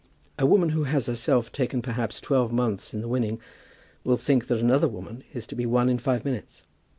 A woman who has herself taken perhaps twelve months in the winning, will think that another woman is to be won in five minutes.